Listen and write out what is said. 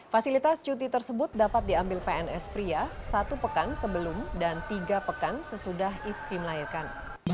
fasilitas cuti tersebut dapat diambil pns pria satu pekan sebelum dan tiga pekan sesudah istri melahirkan